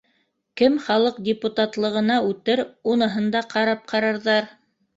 Кем халыҡ депутат- иыгына үтер, уныһын да ҡарап ҡарарҙар